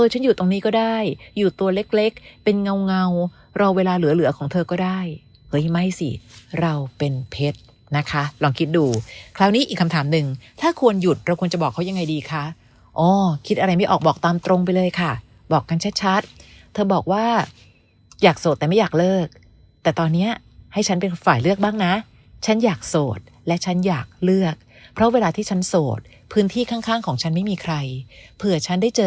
เหลือของเธอก็ได้เฮ้ยไม่สิเราเป็นเพชรนะคะลองคิดดูคราวนี้อีกคำถามหนึ่งถ้าควรหยุดเราควรจะบอกเขายังไงดีคะอ๋อคิดอะไรไม่ออกบอกตามตรงไปเลยค่ะบอกกันชัดชัดเธอบอกว่าอยากสดแต่ไม่อยากเลิกแต่ตอนเนี้ยให้ฉันเป็นฝ่ายเลือกบ้างนะฉันอยากสดและฉันอยากเลือกเพราะเวลาที่ฉันสดพื้นที่ข้างข้างของฉันไม่มีใครเผื่อ